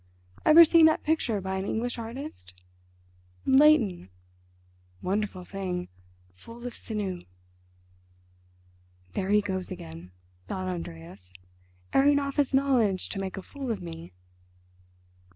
Ever seen that picture by an English artist. Leighton? Wonderful thing—full of sinew!" "There he goes again," thought Andreas, "airing off his knowledge to make a fool of me."